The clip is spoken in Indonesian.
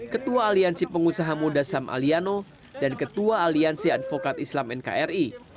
ketua aliansi pengusaha muda sam aliano dan ketua aliansi advokat islam nkri